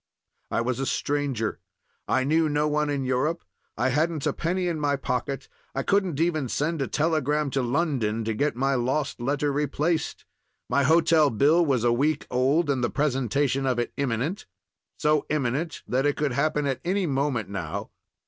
I was a stranger; I knew no one in Europe; I hadn't a penny in my pocket; I couldn't even send a telegram to London to get my lost letter replaced; my hotel bill was a week old, and the presentation of it imminent—so imminent that it could happen at any moment now.